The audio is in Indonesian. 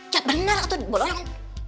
cet bener atau bolonyo yang